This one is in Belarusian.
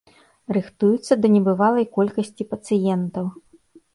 Рыхтуюцца да небывалай колькасці пацыентаў.